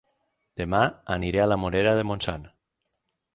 Dema aniré a La Morera de Montsant